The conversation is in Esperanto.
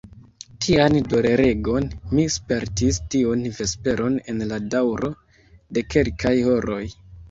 Tian doloregon mi spertis tiun vesperon en la daŭro de kelkaj horoj.